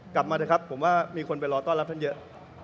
กลับมาเถอะครับผมว่ามีคนไปรอต้อนรับท่านเยอะ